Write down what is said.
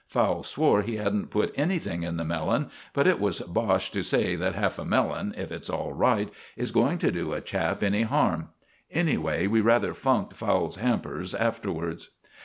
Fowle swore he hadn't put anything in the melon, but it is bosh to say that half a melon, if it's all right, is going to do a chap any harm. Anyway, we rather funked Fowle's hampers afterwards.